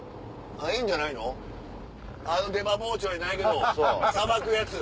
あの出刃包丁やないけど捌くやつ。